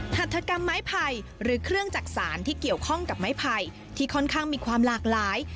หัตถกรรมไม้ไผ่หรือเครื่องจักษานที่เกี่ยวข้องกับไม้ไผ่ที่ค่อนข้างมีความหลากหลาย